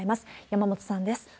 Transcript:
山本さんです。